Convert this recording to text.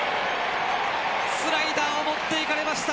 スライダーを持っていかれました。